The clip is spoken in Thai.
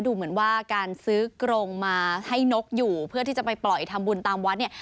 ดูเหมือนว่าการซื้อกรงมาให้นกอยู่เพื่อที่จะไปปล่อยทำบุญตามวัดเนี่ย